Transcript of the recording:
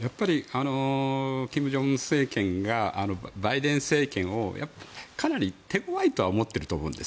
金正恩政権がバイデン政権をかなり手ごわいと思っているとは思うんです。